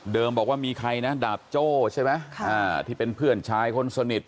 บอกว่ามีใครนะดาบโจ้ใช่ไหมที่เป็นเพื่อนชายคนสนิท